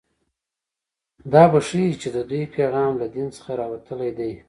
دا به ښيي چې د دوی پیغام له دین څخه راوتلی دی